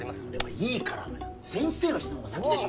いいから先生の質問が先でしょ